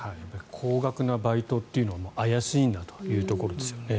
高額なバイトというのは怪しいんだというところですね。